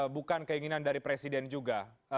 bukan keinginan dari presiden juga